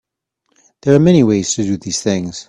There are many ways to do these things.